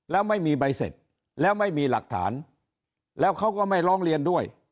แล้วไม่มีใบเสร็จแล้วไม่มีหลักฐานแล้วเขาก็ไม่ร้องเรียนด้วย